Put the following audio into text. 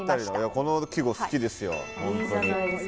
この季語好きですよ